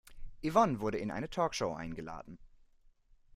Yvonne wurde in eine Talkshow eingeladen.